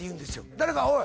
「誰かおい